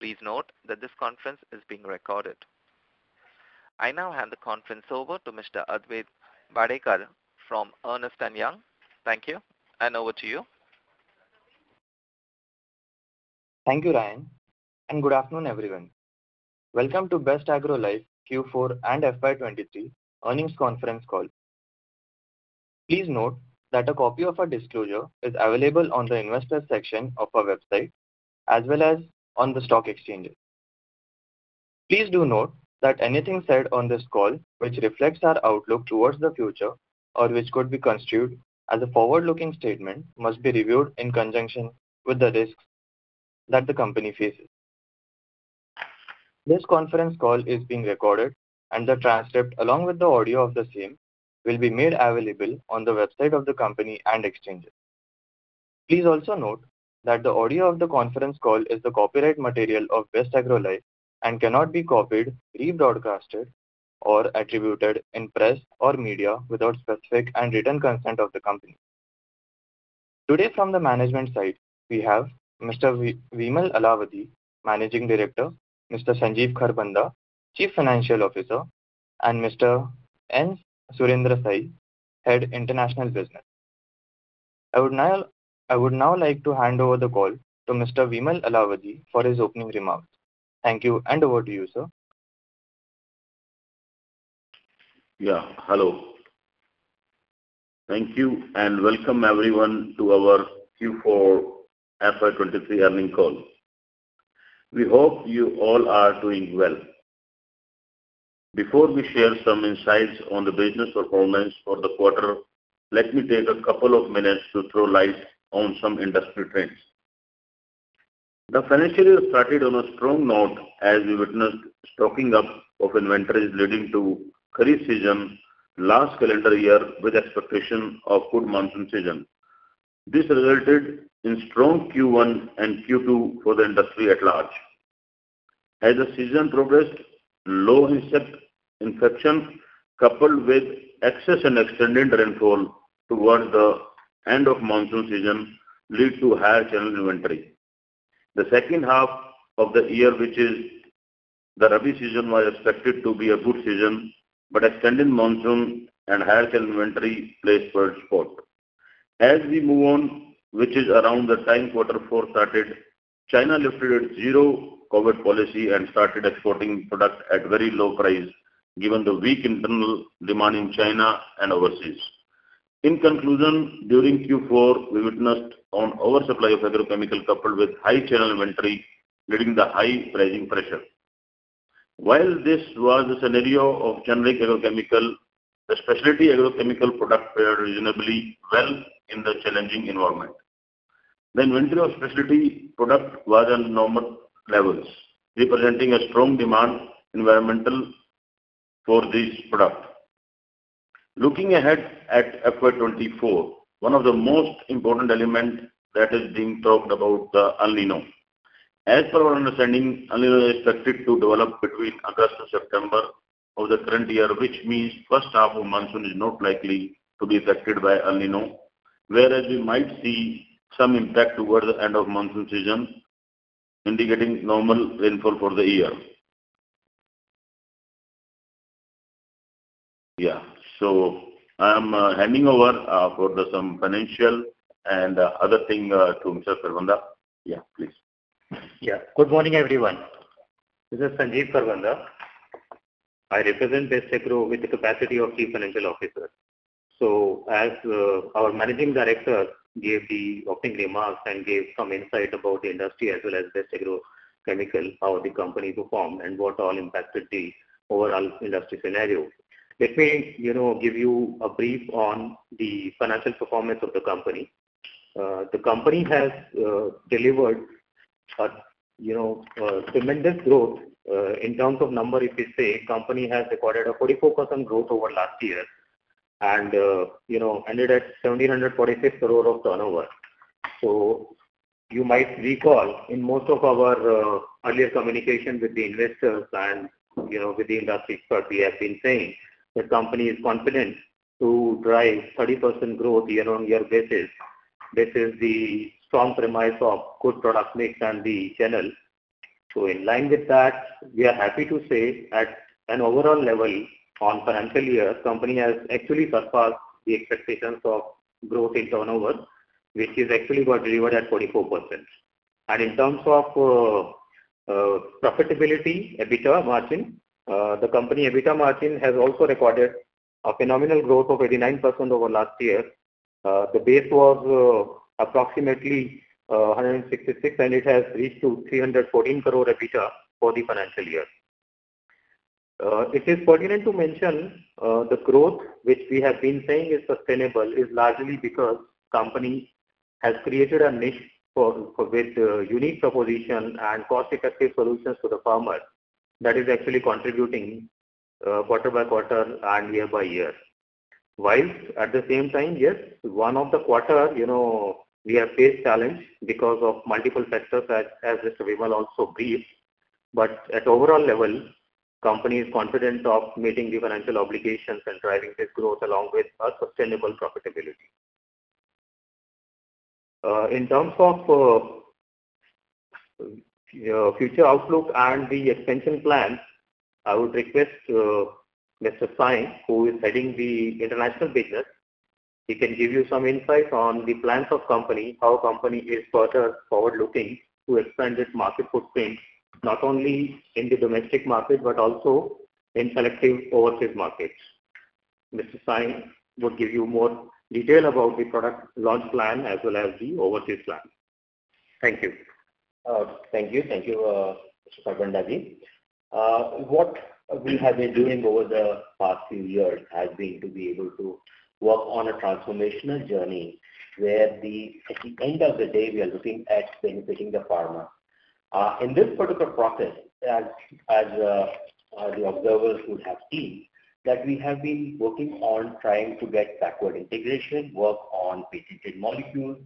Please note that this conference is being recorded. I now hand the conference over to Mr. Advait Bhadekar from Ernst & Young. Thank you, and over to you. Thank you, Ryan. Good afternoon, everyone. Welcome to Best Agrolife Q4 and FY23 earnings conference call. Please note that a copy of our disclosure is available on the investor section of our website, as well as on the stock exchanges. Please do note that anything said on this call, which reflects our outlook towards the future, or which could be construed as a forward-looking statement, must be reviewed in conjunction with the risks that the company faces. This conference call is being recorded. The transcript, along with the audio of the same, will be made available on the website of the company and exchanges. Please also note that the audio of the conference call is the copyright material of Best Agrolife and cannot be copied, rebroadcasted, or attributed in press or media without specific and written consent of the company. Today, from the management side, we have Mr. Vimal Alawadhi, Managing Director, Mr. Sanjeev Kharbanda, Chief Financial Officer, and Mr. N. Surendra Sai, Head International Business. I would now like to hand over the call to Mr. Vimal Alawadhi for his opening remarks. Thank you, over to you, sir. Yeah. Hello. Thank you, welcome everyone to our Q4 FY23 earnings call. We hope you all are doing well. Before we share some insights on the business performance for the quarter, let me take a couple of minutes to throw light on some industry trends. The financial year started on a strong note, as we witnessed stocking up of inventories leading to kharif season last calendar year, with expectation of good monsoon season. This resulted in strong Q1 and Q2 for the industry at large. As the season progressed, low insect infections, coupled with excess and extended rainfall towards the end of monsoon season, lead to higher channel inventory. The H2 of the year, which is the rabi season, was expected to be a good season, extended monsoon and higher channel inventory placed forward spot. As we move on, which is around the time Quarter four started, China lifted its zero Covid policy and started exporting product at very low price, given the weak internal demand in China and overseas. In conclusion, during Q4, we witnessed on oversupply of agrochemical, coupled with high channel inventory, leading the high pricing pressure. While this was the scenario of generic agrochemical, the specialty agrochemical product fared reasonably well in the challenging environment. The inventory of specialty product was on normal levels, representing a strong demand environmental for this product. Looking ahead at FY 2024, one of the most important element that is being talked about, the El Niño. As per our understanding, El Niño is expected to develop between August and September of the current year, which means H1 of monsoon is not likely to be affected by El Niño. Whereas we might see some impact towards the end of monsoon season, indicating normal rainfall for the year. Yeah. I am handing over for the some financial and other thing to Mr. Kharbanda. Yeah, please. Yeah. Good morning, everyone. This is Sanjeev Kharbanda. I represent Best Agro with the capacity of Chief Financial Officer. As our Managing Director gave the opening remarks and gave some insight about the industry, as well as Best Agro Chemical, how the company performed and what all impacted the overall industry scenario. Let me, you know, give you a brief on the financial performance of the company. The company has delivered a, you know, a tremendous growth. In terms of number, if you say, company has recorded a 44% growth over last year and, you know, ended at 1,746 crore of turnover. You might recall, in most of our earlier communications with the investors and, you know, with the industry expert, we have been saying the company is confident to drive 30% growth year-on-year basis. This is the strong premise of good product mix and the channel. In line with that, we are happy to say, at an overall level on financial year, company has actually surpassed the expectations of growth in turnover, which is actually got delivered at 44%. In terms of profitability, EBITDA margin, the company EBITDA margin has also recorded a phenomenal growth of 89% over last year. The base was approximately 166 crore, and it has reached to 314 crore rupees EBITDA for the financial year. It is pertinent to mention, the growth which we have been saying is sustainable is largely because company has created a niche with unique proposition and cost-effective solutions to the farmer. That is actually contributing, quarter by quarter and year by year. While at the same time, yes, one of the quarter, you know, we have faced challenge because of multiple factors, as Mr. Vimal also briefed. At overall level, company is confident of meeting the financial obligations and driving this growth along with a sustainable profitability. In terms of, you know, future outlook and the expansion plans, I would request Mr. Singh, who is heading the international business, he can give you some insight on the plans of company, how company is further forward-looking to expand its market footprint, not only in the domestic market, but also in selecting overseas markets. Mr. Singh would give you more detail about the product launch plan as well as the overseas plan. Thank you. Thank you. Thank you, Mr. Panda ji. What we have been doing over the past few years has been to be able to work on a transformational journey, where at the end of the day, we are looking at benefiting the farmer. In this particular process, as the observers would have seen, that we have been working on trying to get backward integration, work on patented molecules,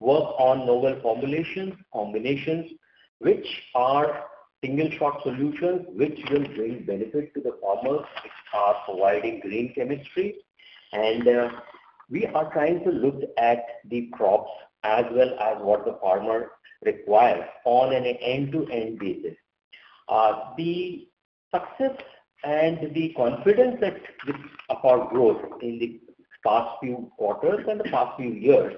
work on novel formulations, combinations, which are single-shot solutions, which will bring benefit to the farmers, which are providing green chemistry. We are trying to look at the crops as well as what the farmer requires on an end-to-end basis. The success and the confidence that with our growth in the past few quarters and the past few years,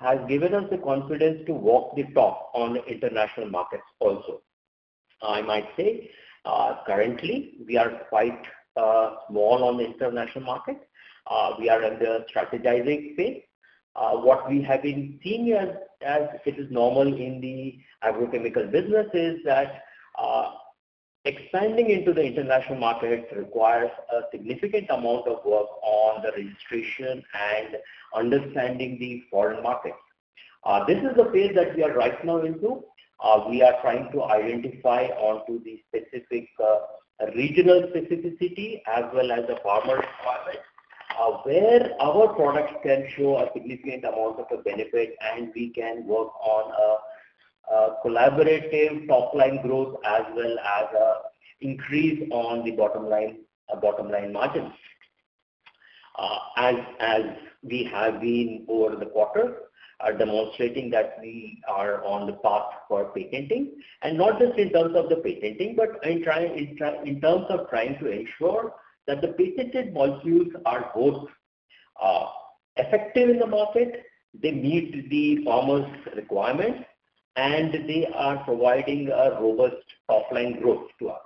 has given us the confidence to walk the talk on international markets also. I might say, currently we are quite small on the international market. We are in the strategizing phase. What we have been seeing as it is normal in the agrochemical business, is that, expanding into the international market requires a significant amount of work on the registration and understanding the foreign markets. This is the phase that we are right now into. We are trying to identify onto the specific, regional specificity as well as the farmer requirements, where our products can show a significant amount of a benefit, and we can work on a collaborative top-line growth as well as a increase on the bottom line margins. As we have been over the quarter, are demonstrating that we are on the path for patenting, and not just in terms of the patenting, but in terms of trying to ensure that the patented molecules are both effective in the market, they meet the farmers' requirements, and they are providing a robust top-line growth to us.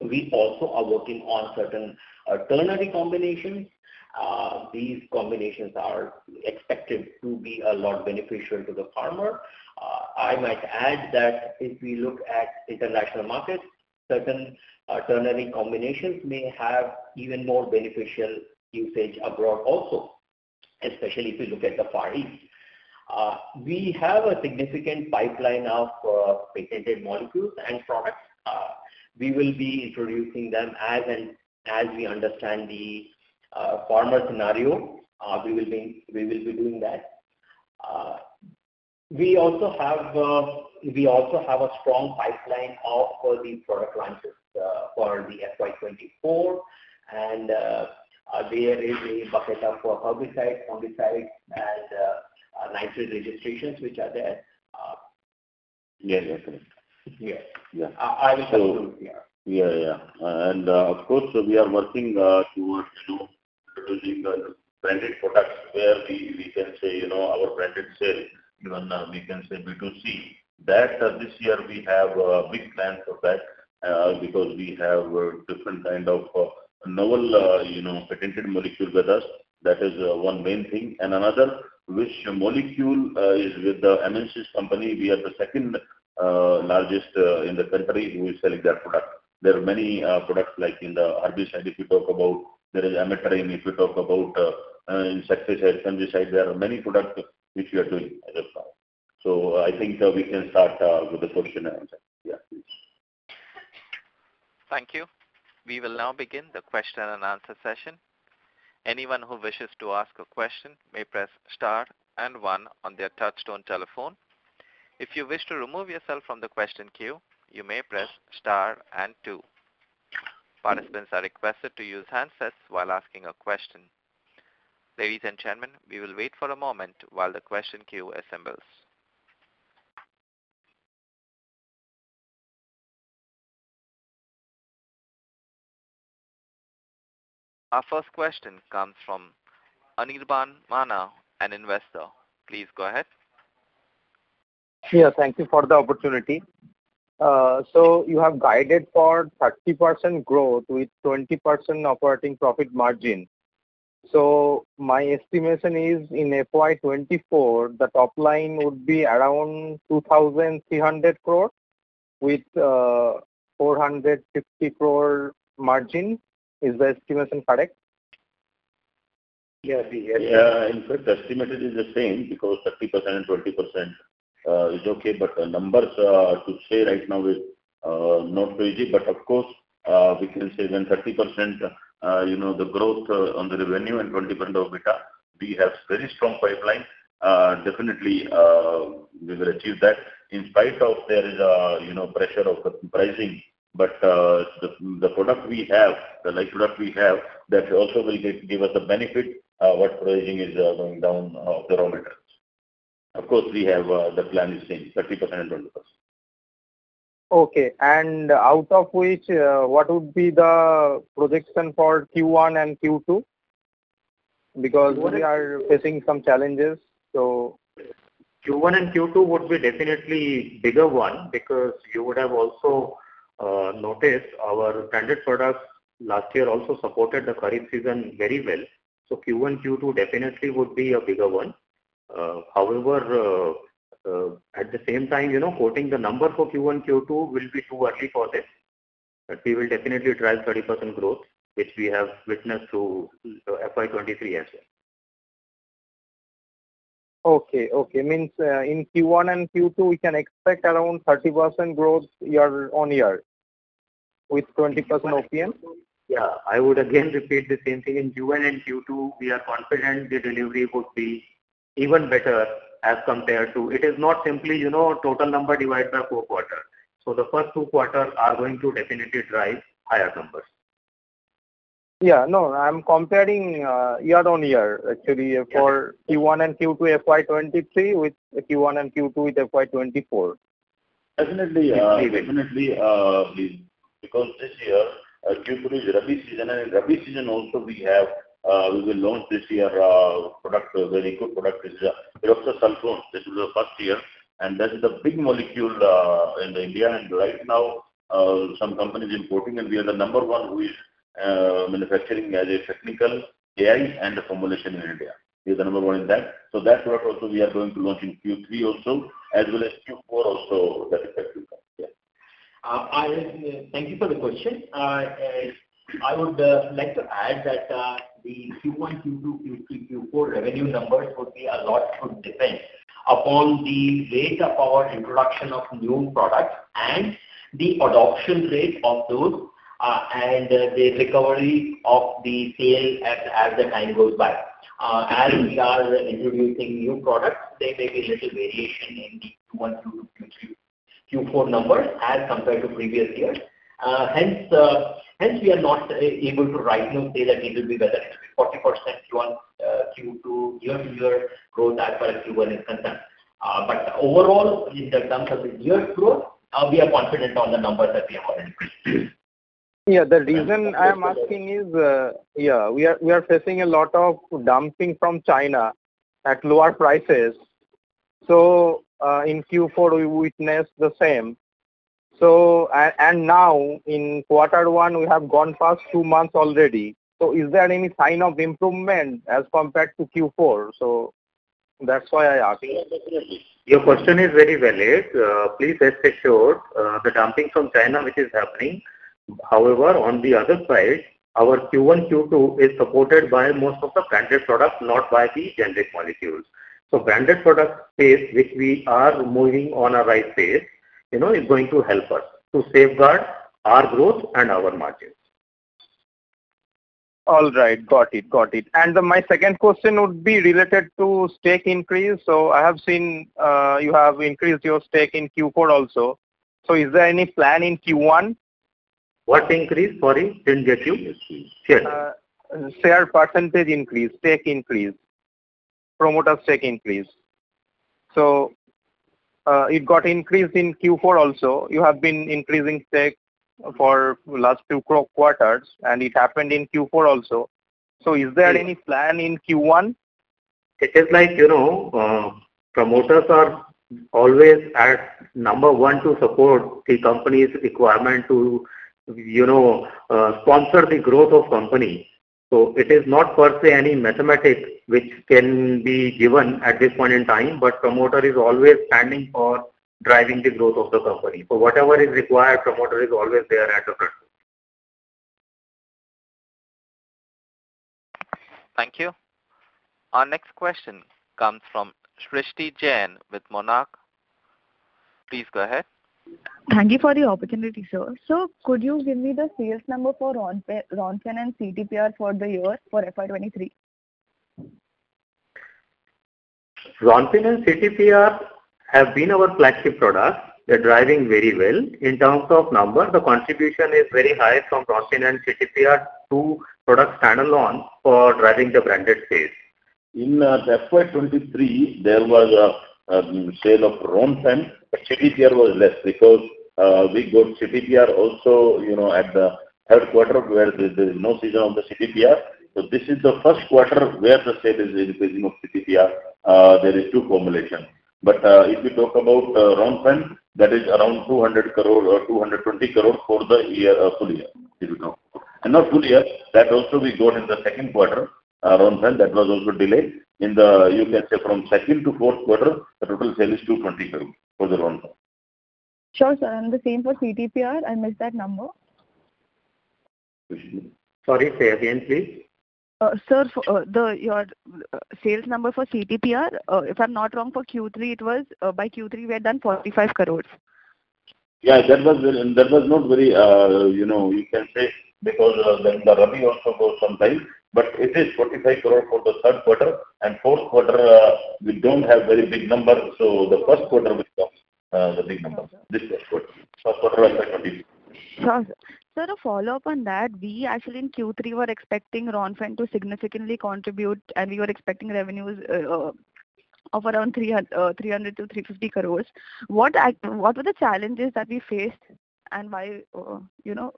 We also are working on certain ternary combinations. These combinations are expected to be a lot beneficial to the farmer. I might add that if we look at international markets, certain ternary combinations may have even more beneficial usage abroad also, especially if you look at the Far East. We have a significant pipeline of patented molecules and products. We will be introducing them as and as we understand the farmer scenario, we will be doing that. We also have a strong pipeline of all the product launches for the FY 2024, and there is a bucket of herbicides, fungicides, and nematicide registrations, which are there. Yes, that's correct. Yes. Yeah. I will just conclude here. Yeah, yeah. Of course, we are working towards, you know, producing branded products where we can say, you know, our branded sale, even we can say B2C. This year we have big plans for that because we have different kind of novel, you know, patented molecule with us. That is one main thing. Another, which molecule is with the uncertain company, we are the second largest in the country who is selling their product. There are many products, like in the rabi side, if you talk about there is Ametryne, if you talk about insecticide, there are many products which we are doing as of now. I think we can start with the question and answer. Yeah, please. Thank you. We will now begin the question and answer session. Anyone who wishes to ask a question may press star and one on their touchtone telephone. If you wish to remove yourself from the question queue, you may press star and two. Participants are requested to use handsets while asking a question. Ladies and gentlemen, we will wait for a moment while the question queue assembles. Our first question comes from Anirban Manna, an investor. Please go ahead. Yeah, thank you for the opportunity. You have guided for 30% growth with 20% operating profit margin. My estimation is in FY 2024, the top line would be around 2,300 crore, with 450 crore margin. Is the estimation correct? Yeah. In fact, the estimated is the same, because 30% and 20% is okay, but the numbers to say right now is not very easy. Of course, we can say when 30%, you know, the growth on the revenue and 20% of EBITDA, we have very strong pipeline. Definitely, we will achieve that in spite of there is a, you know, pressure of the pricing. The product we have, the nice product we have, that also will give us a benefit, what pricing is going down, the raw materials. Of course, we have the plan is same, 30% 20+. Okay, out of which, what would be the projection for Q1 and Q2? We are facing some challenges. Q1 and Q2 would be definitely bigger one because you would have also noticed our branded products last year also supported the kharif season very well. Q1, Q2 definitely would be a bigger one. However, at the same time, you know, quoting the number for Q1, Q2 will be too early for this, but we will definitely drive 30% growth, which we have witnessed through FY23 as well. Okay. Okay. Means, in Q1 and Q2, we can expect around 30% growth year-on-year, with 20% OPM? Yeah. I would again repeat the same thing. In Q1 and Q2, we are confident the delivery would be even better as compared to... It is not simply, you know, total number divided by four quarters. The first two quarters are going to definitely drive higher numbers. No, I'm comparing, year-on-year, actually, for Q1 and Q2 FY 2023 with Q1 and Q2 with FY 2024. Definitely, definitely, because this year, Q2 is rabi season, and in rabi season also we have, we will launch this year, product, a very good product, is Pyroxasulfone suspension. This is the first year, and that is the big molecule in India. Right now, some companies importing, and we are the number one who is manufacturing as a technical AI and a formulation in India. We are the number one in that. That product also we are going to launch in Q3 also, as well as Q4 also, that effect will come. Yeah. I thank you for the question. I would like to add that the Q1, Q2, Q3, Q4 revenue numbers would be a lot should depend upon the rate of our introduction of new products and the adoption rate of those, and the recovery of the sales as the time goes by. As we are introducing new products, there may be little variation in the Q1, Q2, Q3, Q4 numbers as compared to previous years. Hence, we are not able to right now say that it will be better, it will be 40% Q1, Q2 year-to-year growth as far as Q1 is concerned. Overall, in the terms of the year growth, we are confident on the numbers that we have already reached. The reason I am asking is, we are facing a lot of dumping from China at lower prices. In Q4, we witnessed the same. Now in quarter one, we have gone past two months already, so is there any sign of improvement as compared to Q4? That's why I asking. Yeah, definitely. Your question is very valid. Please rest assured, the dumping from China, which is happening, however, on the other side, our Q1, Q2 is supported by most of the branded products, not by the generic molecules. Branded product space, which we are moving on a right pace, you know, is going to help us to safeguard our growth and our margins. All right. Got it. Got it. My second question would be related to stake increase. I have seen, you have increased your stake in Q4 also. Is there any plan in Q1? What increase, sorry? Didn't get you. Sure. Share percentage increase, stake increase, promoter stake increase. It got increased in Q4 also. You have been increasing stake for last two quarters, and it happened in Q4 also. Is there any plan in Q1? It is like, you know, promoters are always at number one to support the company's requirement to, you know, sponsor the growth of company. It is not per se any mathematics which can be given at this point in time, but promoter is always standing for driving the growth of the company. Whatever is required, promoter is always there at the front. Thank you. Our next question comes from Srishti Jain with Monarch. Please go ahead. Thank you for the opportunity, sir. Could you give me the sales number for Ronfen and CTPR for the year, for FY 2023? Ronfen and CTPR have been our flagship products. They're driving very well. In terms of numbers, the contribution is very high from Ronfen and CTPR, two products standalone for driving the branded space. In the FY 2023, there was a sale of Ronfen, but CTPR was less because we got CTPR also, you know, at the Q3, where there is no season on the CTPR. This is the Q1 where the sale is increasing of CTPR. There is two formulation. If you talk about Ronfen, that is around 200 crore or 220 crore for the year, full year, did you know? Now full year, that also we got in the Q2, Ronfen, that was also delayed. In the, you can say from second to Q4, the total sale is 220 crore for the Ronfen. Sure, sir. The same for CTPR? I missed that number. Sorry, say again, please. Sir, for the, your sales number for CTPR, if I'm not wrong, for Q3, it was, by Q3, we had done 45 crores. Yeah, that was, that was not very, you know, you can say because, then the rabi also goes sometime, but it is 45 crore for the Q3. Q4, we don't have very big numbers, so the Q1 becomes, the big numbers. This Q1 was twenty- Sure. A follow-up on that, we actually in Q3 were expecting Ronfen to significantly contribute, and we were expecting revenues of around 300-350 crores. What were the challenges that we faced and why, you know,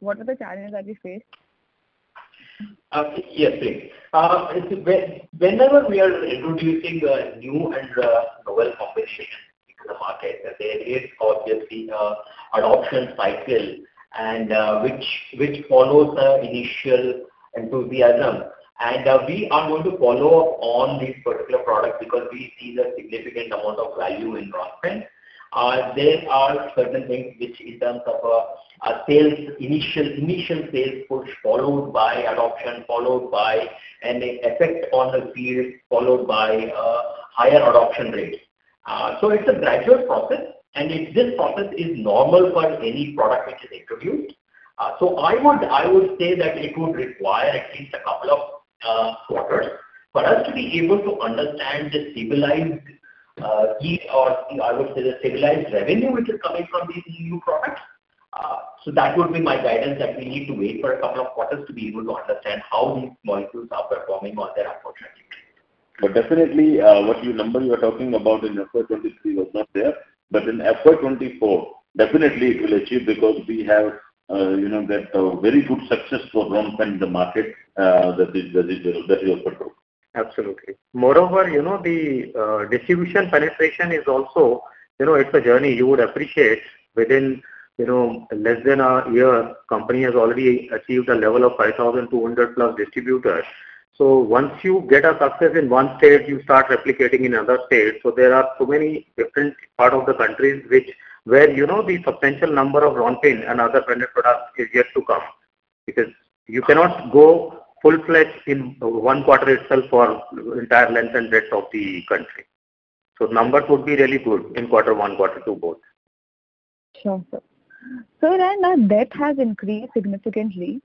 what were the challenges that we faced? Yes, see. See, whenever we are introducing a new and novel combination into the market, there is obviously a adoption cycle and which follows the initial enthusiasm. We are going to follow up on this particular product because we see the significant amount of value in Ronfen. There are certain things which in terms of a sales initial sales push, followed by adoption, followed by an effect on the field, followed by a higher adoption rate. It's a gradual process, and this process is normal for any product which is introduced. I would say that it would require at least a couple of quarters for us to be able to understand the stabilized peak or I would say the stabilized revenue, which is coming from these new products. That would be my guidance, that we need to wait for two quarters to be able to understand how these molecules are performing on their opportunity. Definitely, what you number you are talking about in FY 2023 was not there, but in FY 2024, definitely it will achieve because we have, you know, that very good success for Ronfen in the market, that is also true. Absolutely. Moreover, you know, the distribution penetration is also, you know, it's a journey you would appreciate within, you know, less than a year, company has already achieved a level of 5,200 plus distributors. Once you get a success in one state, you start replicating in other states. There are so many different part of the country which where, you know, the substantial number of Ronfen and other branded products is yet to come. Because you cannot go full-fledged in one quarter itself for entire length and breadth of the country. Numbers would be really good in quarter one, quarter two, both. Sure, sir. Our debt has increased significantly.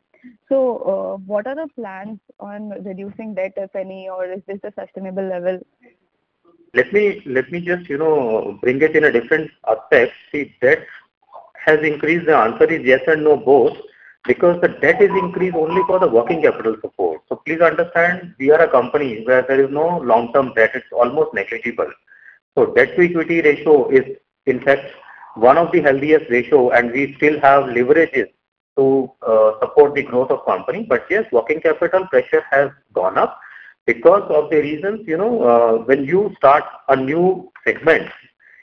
What are the plans on reducing debt, if any, or is this a sustainable level? Let me just, you know, bring it in a different aspect. Debt has increased. The answer is yes and no, both, because the debt is increased only for the working capital support. Please understand we are a company where there is no long-term debt. It's almost negligible. Debt-to-equity ratio is in fact 1 of the healthiest ratio, and we still have leverages to support the growth of company. Yes, working capital pressure has gone up because of the reasons, you know, when you start a new segment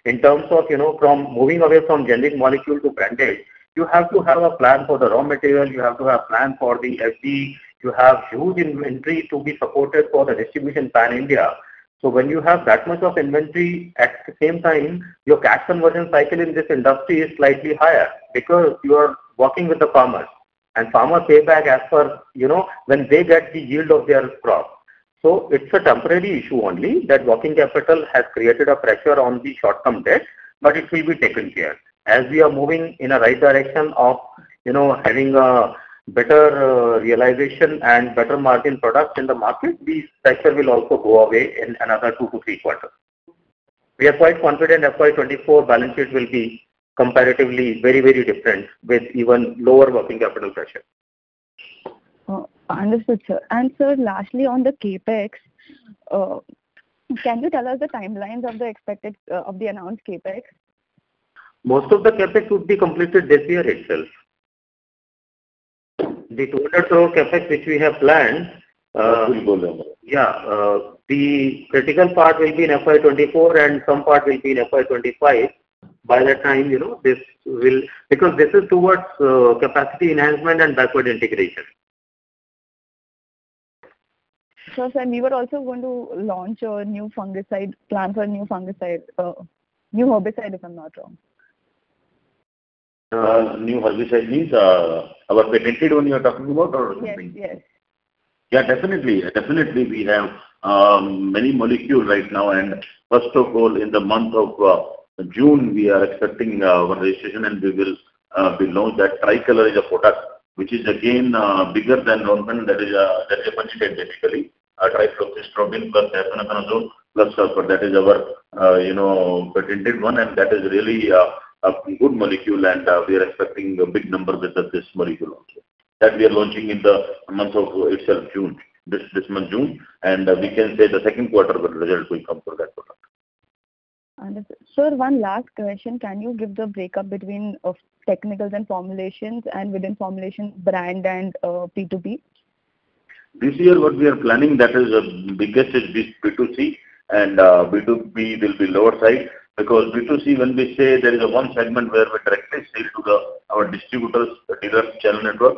in terms of, you know, from moving away from generic molecule to branded, you have to have a plan for the raw material, you have to have plan for the FD, you have huge inventory to be supported for the distribution pan-India. When you have that much of inventory, at the same time, your cash conversion cycle in this industry is slightly higher because you are working with the farmers, and farmers pay back as per, you know, when they get the yield of their crop. It's a temporary issue only, that working capital has created a pressure on the short-term debt, but it will be taken care. As we are moving in a right direction of, you know, having a better realization and better margin product in the market, the pressure will also go away in another two to three quarters. We are quite confident FY 2024 balance sheet will be comparatively very, very different, with even lower working capital pressure. understood, sir. Sir, lastly, on the CapEx, can you tell us the timelines of the expected, of the announced CapEx? Most of the CapEx would be completed this year itself. The total CapEx, which we have planned. [inaudible] The critical part will be in FY 2024, and some part will be in FY 2025. That time, you know, this is towards capacity enhancement and backward integration. Sir, you are also going to launch a new fungicide, plan for a new fungicide, new herbicide, if I'm not wrong? New herbicide means, our patented one you're talking about or something? Yes, yes. Yeah, definitely. Definitely, we have many molecule right now. First of all, in the month of June, we are expecting one registration, and we will be launched. That Tricolor is a product which is again bigger than Ronfen. That is a fungicide, basically, a trifloxystrobin plus azoxystrobin plus sulfur. That is our, you know, patented one, and that is really a good molecule, and we are expecting a big number with this molecule also. That we are launching in the month of itself, June, this month, June. We can say the Q2 results will come for that product. Understood. Sir, one last question: Can you give the breakup between of technicals and formulations, and within formulation, brand and B2B? This year, what we are planning, that is, biggest is B2C, and B2B will be lower side, because B2C, when we say there is one segment where we directly sell to our distributors, dealers, channel network,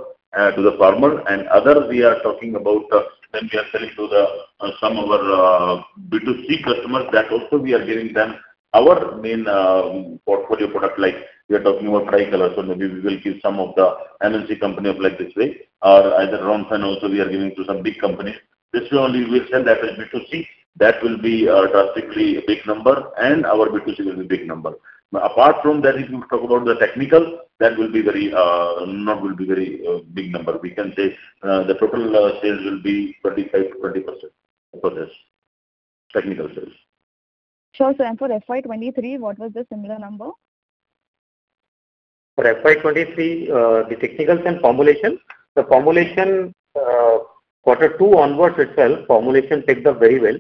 to the farmer, and other we are talking about, when we are selling to some of our B2C customers, that also we are giving them our main portfolio product, like we are talking about Tricolor. Maybe we will give some of the MNC company of like this way, or either Ronfen also we are giving to some big companies. This only we will sell that as B2C. That will be drastically a big number, and our B2C will be big number. Apart from that, if you talk about the technical, not will be very big number. We can say, the total, sales will be 35%-40% of this technical sales. Sure, for FY 2023, what was the similar number? For FY 23, the technicals and formulation. The formulation, Q2 onwards itself, formulation picked up very well.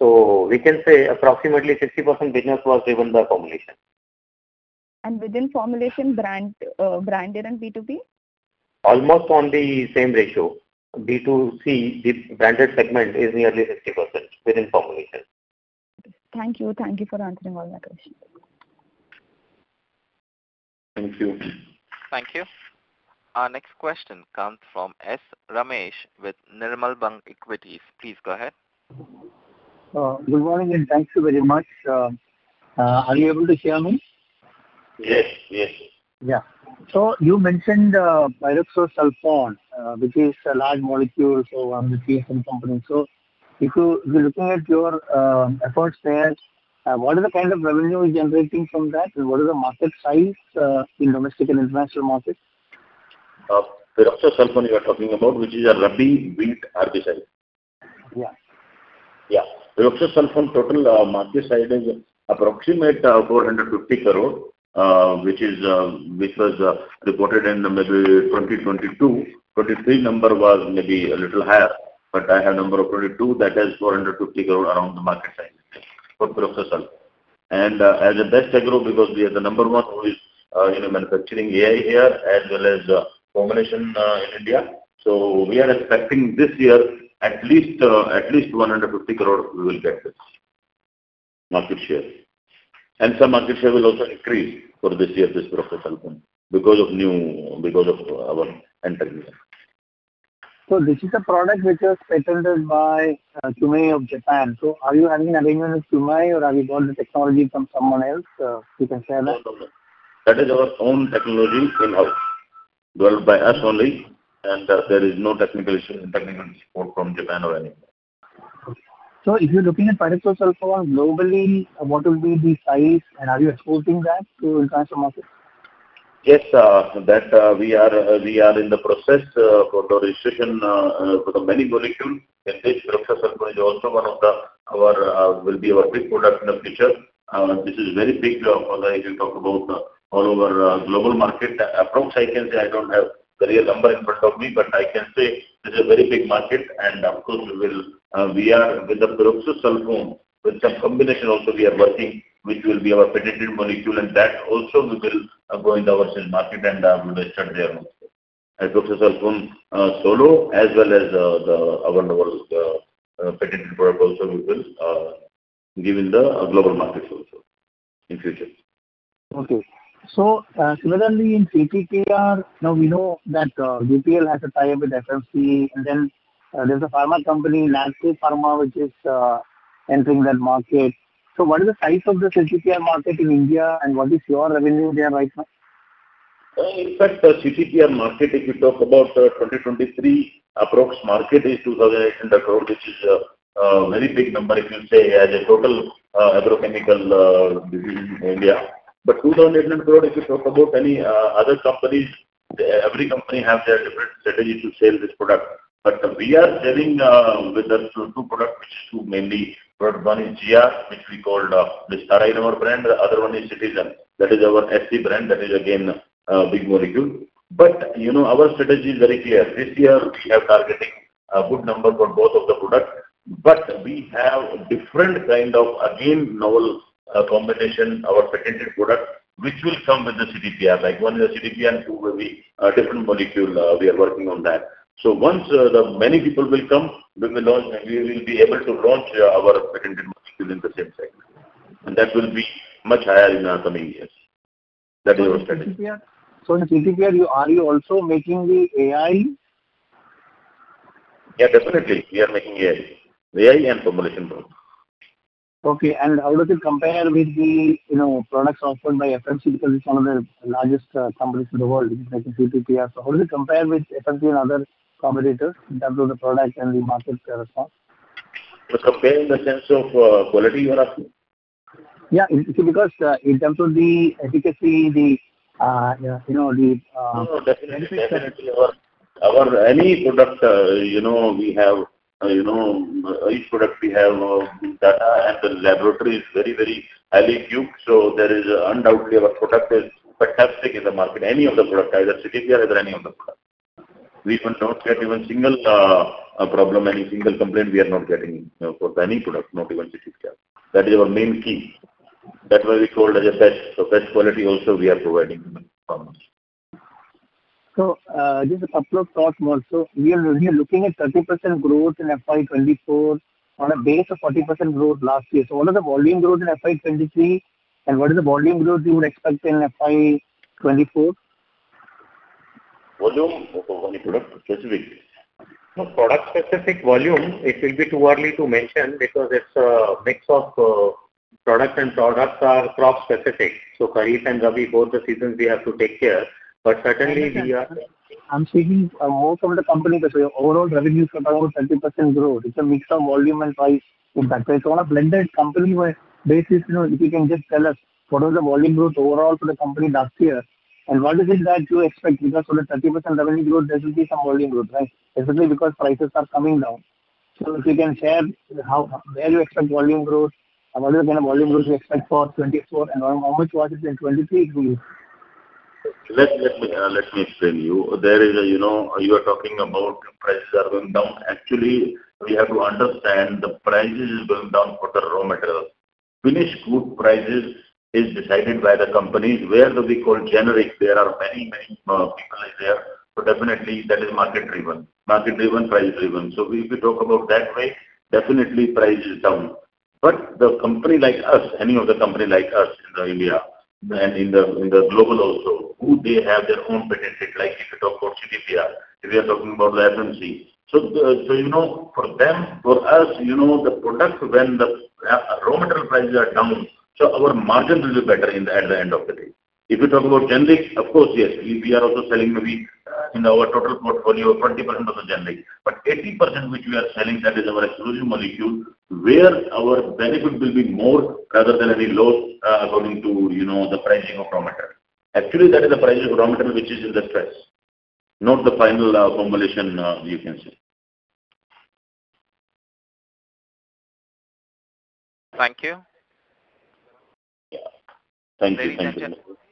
We can say approximately 60% business was driven by formulation. within formulation, brand, branded and B2B? Almost on the same ratio. B2C, the branded segment, is nearly 60% within formulation. Thank you. Thank you for answering all my questions. Thank you. Thank you. Our next question comes from S. Ramesh with Nirmal Bang Equities. Please go ahead. Good morning, and thank you very much. Are you able to hear me? Yes. Yes. You mentioned Pyroxasulfone, which is a large molecule, on the CSM company. If you're looking at your efforts there, what are the kind of revenue you're generating from that, and what is the market size in domestic and international markets? Pyroxasulfone you are talking about, which is a rabi wheat herbicide. Yeah. Yeah. Pyroxasulfone total market size is approximate 450 crore, which was reported in maybe 2022. 2023 number was maybe a little higher, but I have number of 22, that is 450 crore around the market size for Pyroxasulfone. As a Best Agrolife, because we are the number one who is, you know, manufacturing AI here, as well as formulation in India. We are expecting this year, at least 150 crore we will get this market share. Some market share will also increase for this year, this Pyroxasulfone, because of our entry. This is a product which was patented by Kumiai of Japan. Are you having agreement with Kumiai, or have you got the technology from someone else, you can share that? No, no. That is our own technology, in-house. Developed by us only, and there is no technical issue, technical support from Japan or anywhere. If you're looking at Pyroxasulfone globally, what will be the size, and are you exporting that to international markets? Yes, that, we are, we are in the process for the registration for the many molecule, in which Pyroxasulfone is also one of the, our, will be our big product in the future. This is very big, if you talk about, all over, global market. Approximately, I can say I don't have the real number in front of me, but I can say this is a very big market, and of course, we will, we are with the Pyroxasulfone, with some combination also we are working, which will be our patented molecule, and that also we will, go in the market and, start there also. As Pyroxasulfone, solo, as well as, the, our novel, patented product also we will, give in the, global markets also in future. Okay. Similarly, in CTPR, now we know that DPL has a tie-up with FMC, there's a pharma company, Natco Pharma, which is entering that market. What is the size of the CTPR market in India, and what is your revenue there right now? In fact, the CTPR market, if you talk about 2023, approx market is 2,800 crore, which is a very big number, if you say, as a total agrochemical division in India. 2,800 crore, if you talk about any other companies, every company have their different strategy to sell this product. We are selling with the two product, which is two mainly. One is GR, which we called the Vistara, our brand. The other one is Citigen. That is our SC brand, that is again, big molecule. You know, our strategy is very clear. This year, we are targeting a good number for both of the product, but we have different kind of, again, novel combination, our patented product, which will come with the CTPR. Like one is CTPR, two will be a different molecule, we are working on that. Once the many people will come, we will be able to launch our patented molecule in the same segment, and that will be much higher in the coming years. That is our strategy. CTPR. In CTPR, are you also making the AI? Yeah, definitely. We are making AI. AI and formulation both. Okay, how does it compare with the, you know, products offered by FMC? Because it's one of the largest companies in the world, making CTPR. How does it compare with FMC and other competitors in terms of the product and the market response? Compare in the sense of, quality you are asking? Yeah, because, in terms of the efficacy, the, you know, the Oh, definitely. Our any product, you know, we have, you know, each product we have, data at the laboratory is very, very highly tuned, so there is undoubtedly our product is fantastic in the market, any of the product, either CTPR or any of the product. We cannot get even single problem, any single complaint we are not getting for any product, not even CTPR. That is our main key. That's why we called as a Best. The Best quality also we are providing farmers. Just a couple of thoughts more. We are looking at 30% growth in FY 2024, on a base of 40% growth last year. What are the volume growth in FY 2023, and what is the volume growth you would expect in FY 2024? Volume of a product, specific? No, product-specific volume, it will be too early to mention because it's a mix of, products, and products are crop specific. kharif and rabi, both the seasons we have to take care, but certainly we are. I'm speaking most of the company, the overall revenue is about 30% growth. It's a mix of volume and price impact. On a blended company-wide basis, you know, if you can just tell us what was the volume growth overall for the company last year? What is it that you expect? Because for the 30% revenue growth, there will be some volume growth, right? Especially because prices are coming down. If you can share how, where you expect volume growth, and what kind of volume growth you expect for 2024, and how much was it in 2023, please? Let me explain you. There is a, you know, you are talking about prices are going down. Actually, we have to understand the prices is going down for the raw material. Finished good prices is decided by the companies where we call generic. There are many people in there, so definitely that is market-driven. Market-driven, price-driven. If you talk about that way, definitely price is down. The company like us, any of the company like us in India and in the global also, who they have their own patented, like if you talk about CTPR, if we are talking about the FMC. You know, for them, for us, you know, the product when the raw material prices are down, our margins will be better at the end of the day. If you talk about generic, of course, yes, we are also selling maybe, in our total portfolio, 40% of the generic. 80% which we are selling, that is our exclusive molecule, where our benefit will be more rather than any loss, according to, you know, the pricing of raw material. Actually, that is the price of raw material which is in the stress, not the final formulation, you can say. Thank you. Yeah. Thank you.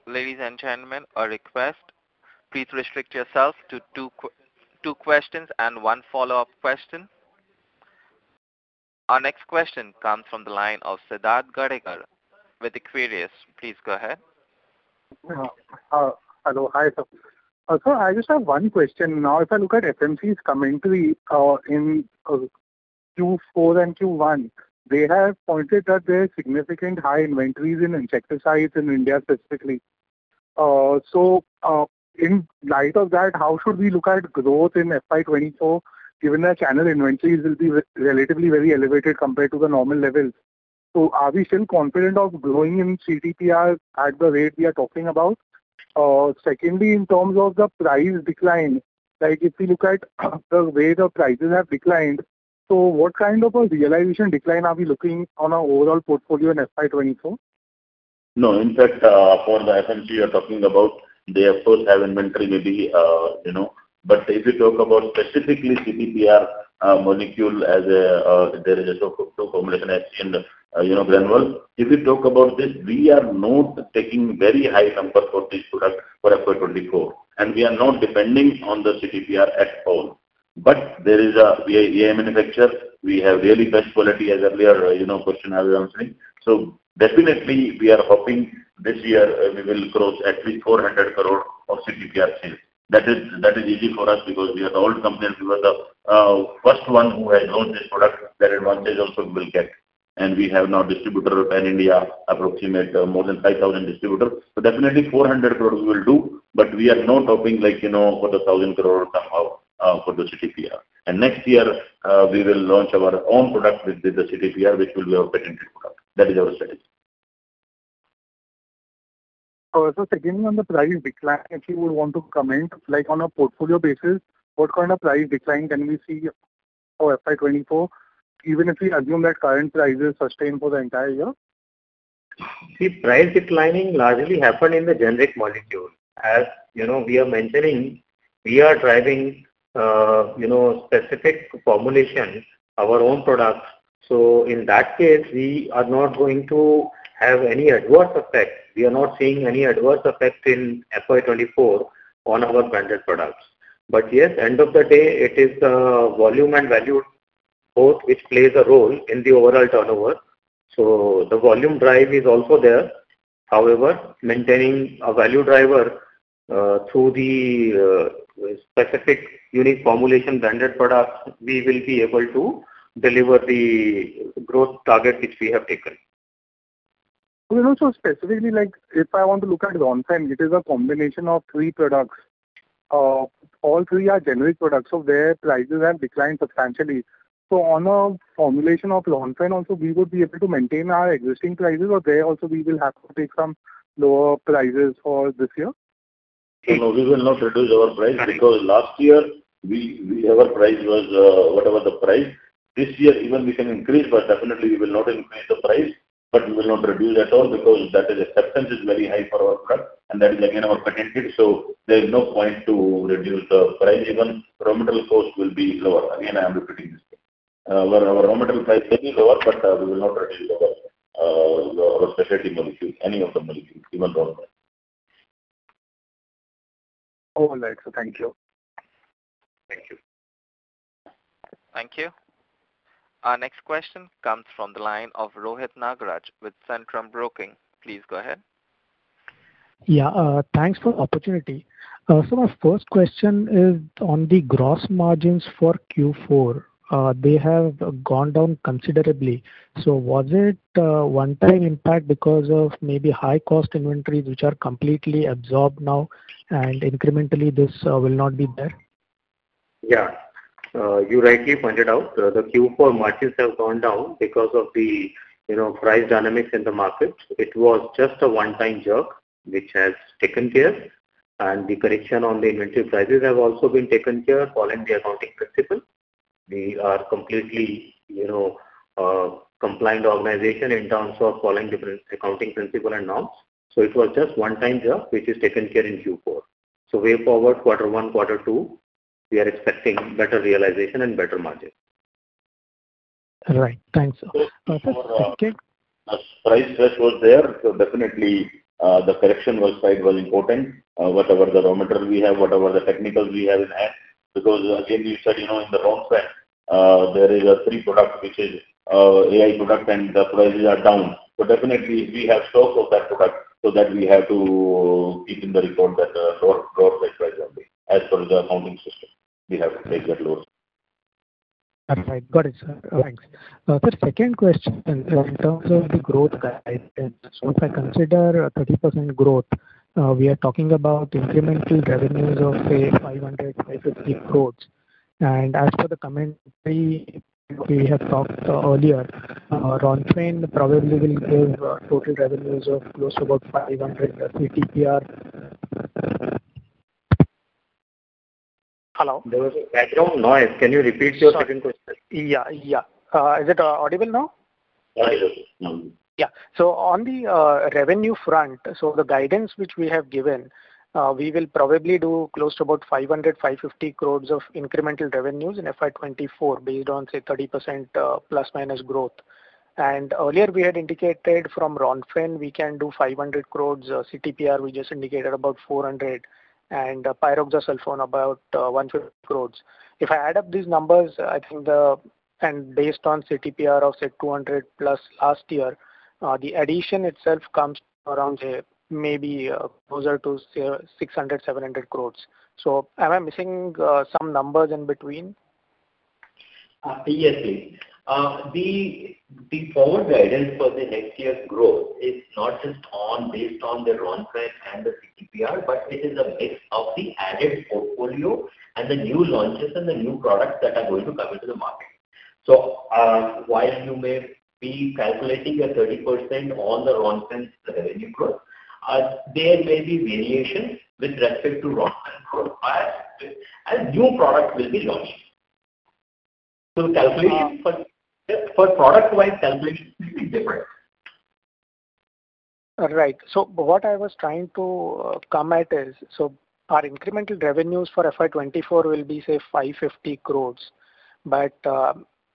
Ladies and gentlemen, a request: please restrict yourself to two questions and one follow-up question. Our next question comes from the line of Siddharth Gadekar with Aquarius. Please go ahead. Hello. Hi, sir. Sir, I just have one question. If I look at FMC's commentary in Q4 and Q1, they have pointed that there are significant high inventories in insecticides in India, specifically. In light of that, how should we look at growth in FY 2024, given that channel inventories will be relatively very elevated compared to the normal levels? Are we still confident of growing in CTPR at the rate we are talking about? Secondly, in terms of the price decline, like if you look at the way the prices have declined, what kind of a realization decline are we looking on our overall portfolio in FY 2024? In fact, for the FMC you're talking about, they of course have inventory maybe, you know, but if you talk about specifically CTPR molecule as a, there is a formulation in, you know, granule. If you talk about this, we are not taking very high number for this product for FY24, and we are not depending on the CTPR at all. There is a, we are a manufacturer. We have really best quality, as earlier, you know, question I was answering. Definitely we are hoping this year, we will cross at least 400 crore of CTPR sales. That is, that is easy for us because we are the old company and we were the first one who had launched this product. That advantage also we will get. We have now distributor pan-India, approximate more than 5,000 distributors. Definitely 400 products we will do, but we are not hoping, like, you know, for the 1,000 crore somehow, for the CTPR. Next year, we will launch our own product with the CTPR, which will be our patented product. That is our strategy. Again, on the price decline, if you would want to comment, like on a portfolio basis, what kind of price decline can we see for FY 2024, even if we assume that current prices sustain for the entire year? Price declining largely happened in the generic molecule. As you know, we are mentioning, we are driving, you know, specific formulations, our own products. In that case, we are not going to have any adverse effects. We are not seeing any adverse effects in FY 2024 on our branded products. Yes, end of the day, it is the volume and value both, which plays a role in the overall turnover. The volume drive is also there. However, maintaining a value driver through the specific unique formulation branded products, we will be able to deliver the growth target which we have taken. Also specifically, like if I want to look at Ronfen, it is a combination of three products. All three are generic products, so their prices have declined substantially. On a formulation of Ronfen also, we would be able to maintain our existing prices, or there also we will have to take some lower prices for this year? No, we will not reduce our price, because last year we, our price was whatever the price. This year, even we can increase. Definitely we will not increase the price. We will not reduce at all, because that is acceptance is very high for our product, and that is again our patented, so there's no point to reduce the price. Even raw material cost will be lower. Again, I am repeating this. Our raw material price may be lower. We will not reduce our specialty molecules, any of the molecules, even Ronfen. All right, sir. Thank you. Thank you. Thank you. Our next question comes from the line of Rohit Nagraj with Centrum Broking. Please go ahead. Yeah, thanks for the opportunity. My first question is on the gross margins for Q4. They have gone down considerably. Was it a one-time impact because of maybe high-cost inventories, which are completely absorbed now, and incrementally this will not be there? Yeah, you rightly pointed out, the Q4 margins have gone down because of the, you know, price dynamics in the market. It was just a one-time jerk, which has taken care, and the correction on the inventory prices have also been taken care following the accounting principle. We are completely, you know, compliant organization in terms of following different accounting principle and norms. It was just a one-time job, which is taken care in Q4. Way forward, quarter one, quarter two, we are expecting better realization and better margin. All right. Thanks, sir. Perfect. Thank you. A price stress was there, so definitely, the correction was quite important, whatever the raw material we have, whatever the technical we have in hand, because again, we said, you know, in the Ronfen, there is a three product, which is AI product, and the prices are down. Definitely we have stock of that product, so that we have to keep in the report that, drop that price only. As per the accounting system, we have to take that load. All right. Got it, sir. Thanks. The second question in terms of the growth guidance, if I consider a 30% growth, we are talking about incremental revenues of, say, 500, 550 crores. As for the commentary we have talked earlier, Ronfen probably will give total revenues of close to about 500 CTPR. Hello? There was a background noise. Can you repeat your second question? Yeah, yeah. Is it audible now? Audible. Mm-hmm. On the revenue front, the guidance which we have given, we will probably do close to about 500-550 crores of incremental revenues in FY24, based on 30% ± growth. Earlier we had indicated from Ronfen, we can do 500 crores, CTPR, we just indicated about 400 crores, and Pyroxasulfone, about 150 crores. If I add up these numbers, I think and based on CTPR of 200+ crores last year, the addition itself comes around closer to 600-700 crores. Am I missing some numbers in between? Yes, we. The forward guidance for the next year's growth is not just on, based on the Ronfen and the CTPR, but it is a mix of the added portfolio and the new launches and the new products that are going to come into the market. While you may be calculating a 30% on the Ronfen's revenue growth, there may be variations with respect to Ronfen growth, and new products will be launched. Calculation for product-wise, calculation will be different. Right. What I was trying to come at is, our incremental revenues for FY24 will be, say, 550 crores.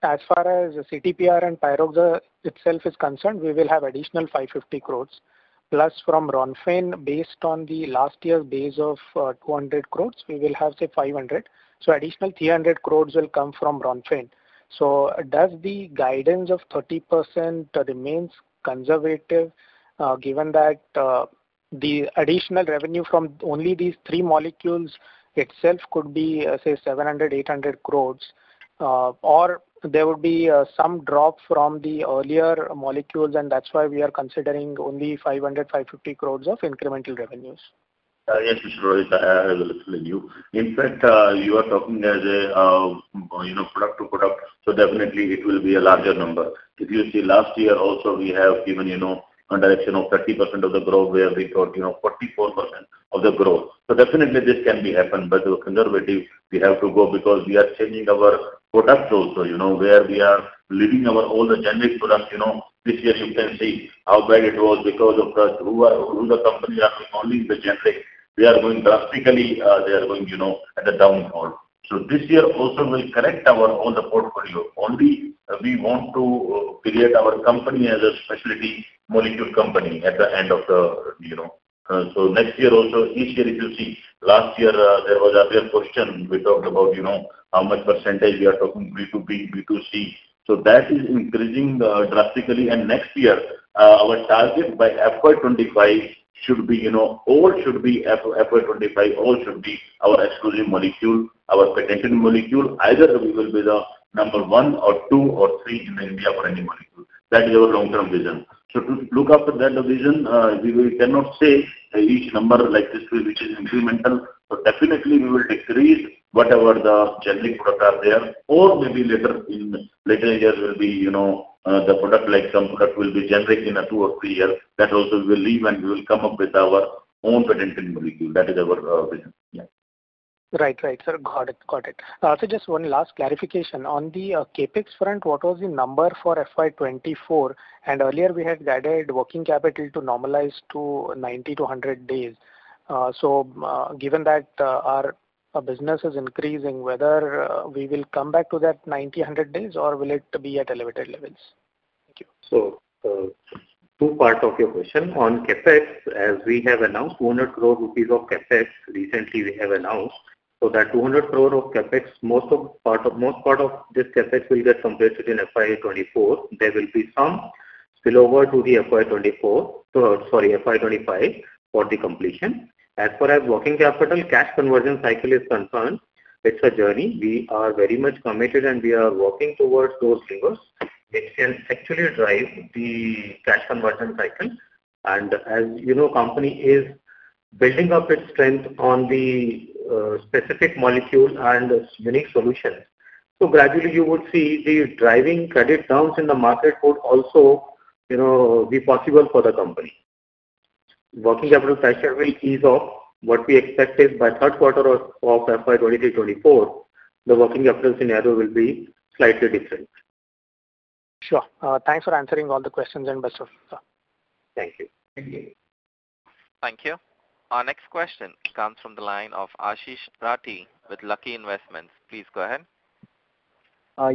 As far as CTPR and Pyroxasulfone itself is concerned, we will have additional 550 crores, plus from Ronfen, based on the last year base of 200 crores, we will have, say, 500 crores. Additional 300 crores will come from Ronfen. Does the guidance of 30% remains conservative, given that the additional revenue from only these three molecules itself could be, say, 700 crores-800 crores, or there would be some drop from the earlier molecules, and that's why we are considering only 500 crores-550 crores of incremental revenues? Yes, Rohit, I will explain you. In fact, you are talking as a, you know, product to product, so definitely it will be a larger number. If you see last year also, we have given, you know, a direction of 30% of the growth, where we got, you know, 44% of the growth. Definitely this can be happened, but conservative, we have to go because we are changing our products also, you know, where we are leaving our all the generic products. You know, this year you can see how bad it was because of the who the company are holding the generic. They are going drastically, they are going, you know, at a downfall. This year also will correct our all the portfolio. Only we want to create our company as a specialty molecule company at the end of the, you know. Next year also, each year if you see, last year, there was a clear question. We talked about, you know, how much percentage we are talking B2B, B2C. That is increasing drastically. Next year, our target by FY 2025 should be, you know, all should be FY 2025, all should be our exclusive molecule, our potential molecule. Either we will be the number one or two or three in India for any molecule. That is our long-term vision. To look after that vision, we will cannot say each number like this, which is incremental, so definitely we will decrease whatever the generic products are there. Maybe later in, later years will be, you know, the product like some product will be generic in two or three years. That also will leave, and we will come up with our own potential molecule. That is our vision. Right. Right, sir. Got it. Got it. Just one last clarification. On the CapEx front, what was the number for FY 2024? Earlier, we had guided working capital to normalize to 90-100 days. Given that our business is increasing, whether we will come back to that 90, 100 days, or will it be at elevated levels? Thank you. Two part of your question. On CapEx, as we have announced, 200 crore rupees of CapEx, recently we have announced. That 200 crore of CapEx, most part of this CapEx will get completed in FY24. There will be some spillover to the FY24, sorry, FY25, for the completion. As far as working capital, cash conversion cycle is concerned, it's a journey. We are very much committed, and we are working towards those levers that can actually drive the cash conversion cycle. As you know, company is building up its strength on the specific molecules and unique solutions. Gradually you would see the driving credit terms in the market would also, you know, be possible for the company. working capital pressure will ease off. What we expect is by Q3 of FY 2023, 2024, the working capital scenario will be slightly different. Sure. Thanks for answering all the questions, and best of luck, sir. Thank you. Thank you. Our next question comes from the line of Ashish Rathi with Lucky Investments. Please go ahead.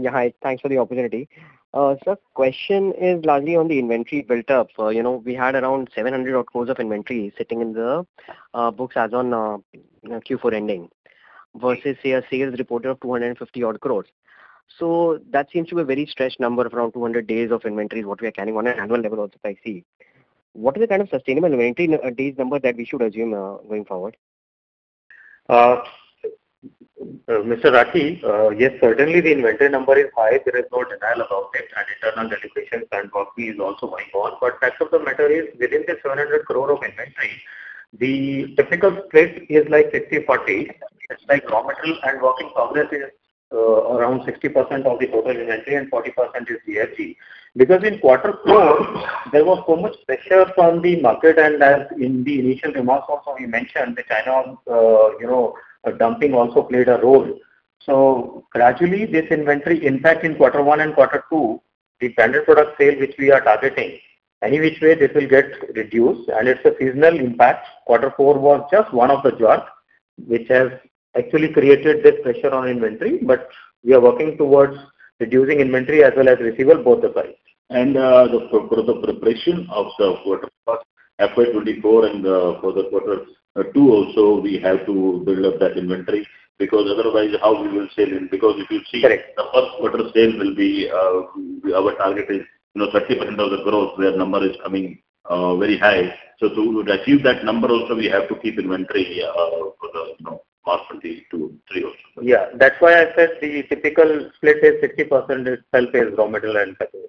Yeah, hi. Thanks for the opportunity. Sir, question is largely on the inventory built up. You know, we had around 700 odd crores of inventory sitting in the books as on Q4 ending, versus, say, a sales reported of 250 odd crores. That seems to be a very stretched number, around 200 days of inventory, what we are carrying on an annual level also, if I see. What is the kind of sustainable inventory days number that we should assume going forward? Mr. Rathi, yes, certainly the inventory number is high. There is no denial about it, and internal deliberations and working is also going on. Fact of the matter is, within this 700 crore of inventory, the typical split is like 60/40. It's like raw material, and work in progress is around 60% of the total inventory, and 40% is DLC. Because in Q4, there was so much pressure from the market, and as in the initial remarks also, we mentioned the China's, you know, dumping also played a role. Gradually, this inventory, in fact, in Q1 and Q2, the branded product sale, which we are targeting, any which way this will get reduced, and it's a seasonal impact. Quarter four was just one of the jobs, which has actually created this pressure on inventory. We are working towards reducing inventory as well as receivable, both the sides. For the preparation of the quarter 1, FY 2024 and for the quarter two also, we have to build up that inventory, because otherwise, how we will sell it? Because if you see... Correct. the Q1 sales will be, our target is, you know, 30% of the growth, where number is coming, very high. To achieve that number also, we have to keep inventory, for the, you know, possibility two, three also. Yeah. That's why I said the typical split is 60% is self is raw material and category.